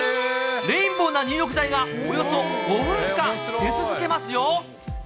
レインボーな入浴剤がおよそ５分間、出続けますよ。